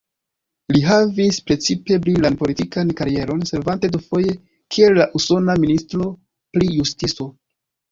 Li havis precipe brilan politikan karieron, servante dufoje kiel la usona ministro pri justico.